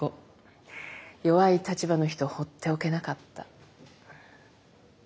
弱い立場の人放っておけなかった。